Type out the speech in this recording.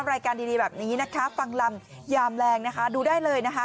รายการดีแบบนี้ฟังลำยามแรงดูได้เลยนะฮะ